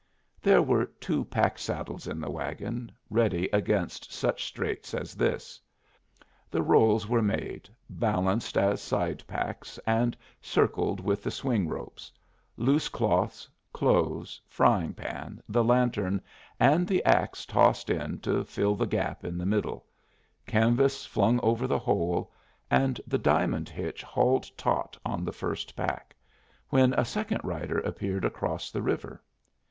There were two pack saddles in the wagon, ready against such straits as this. The rolls were made, balanced as side packs, and circled with the swing ropes, loose cloths, clothes, frying pans, the lantern, and the axe tossed in to fill the gap in the middle, canvas flung over the whole, and the diamond hitch hauled taut on the first pack, when a second rider appeared across the river.